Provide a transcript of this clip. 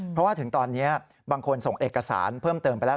เพราะว่าถึงตอนนี้บางคนส่งเอกสารเพิ่มเติมไปแล้ว